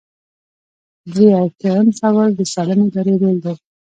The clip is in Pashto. درې ایاتیام سوال د سالمې ادارې رول دی.